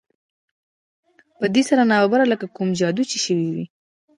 په دې سره ناببره لکه کوم جادو چې شوی وي